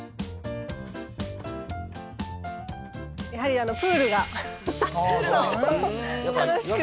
やはりあのプールが楽しくて。